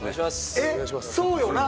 えっそうよな？